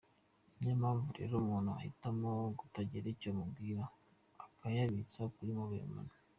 Niyo mpamvu rero umuntu ahitamo kutagira icyo amubwira akayabitsa kuri Mobile Money.